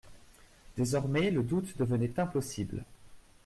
Désormais le doute devenait impossible.